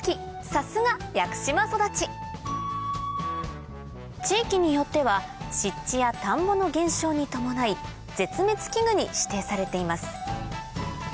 さすが屋久島育ち地域によっては湿地や田んぼの減少に伴い絶滅危惧に指定されています